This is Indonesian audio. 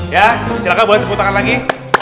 ya silahkan boleh tepuk tangan lagi